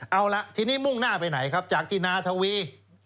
เอาละทีนี้มุ่งหน้าไปไหนครับจากที่นาทวี